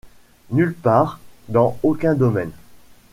Nulle part, dans aucun domaine.